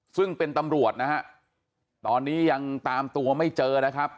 ซึ่งเป็นตำรวจนะฮะตอนนี้ยังตามตัวไม่เจอนะครับ